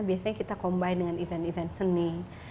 biasanya kita combine dengan event event seni